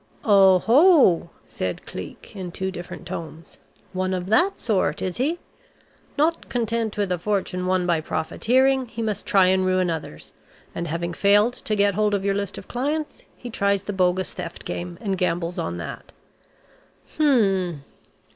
"Oho!" said Cleek in two different tones. "One of that sort is he? Not content with a fortune won by profiteering, he must try and ruin others; and having failed to get hold of your list of clients, he tries the bogus theft game, and gambles on that. Hmm!